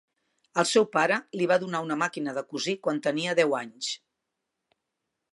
El seu pare li va donar una màquina de cosir quan tenia deu anys.